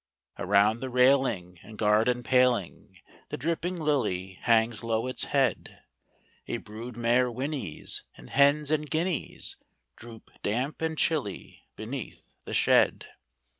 Around the railing and garden paling The dripping lily hangs low its head: A brood mare whinnies; and hens and guineas Droop, damp and chilly, beneath the shed.